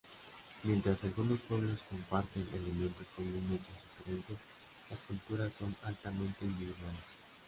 Mientras algunos pueblos comparten elementos comunes en sus creencias, las culturas son altamente individuales.